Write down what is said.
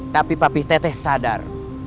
tapi papi teteh sadar